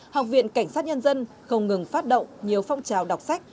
học viện cảnh sát nhân dân không ngừng phát động nhiều phong trào đọc sách